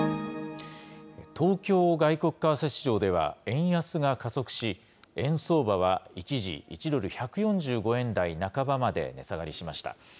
東京外国為替市場では円安が加速し、円相場は一時、１ドル１４５円台半ばまで値下がりしました。